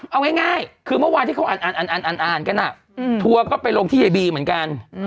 เอาไงคือเมื่อวานที่เขาอ่านอ่านกันอะทัวก็ไปลงที่ใบบีเหมือนกัน